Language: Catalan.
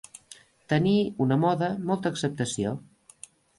Tenir, una moda, molta acceptació.